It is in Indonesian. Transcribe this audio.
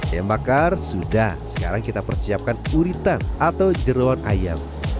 ayam bakar sudah sekarang kita persiapkan uritan atau jerawan ayam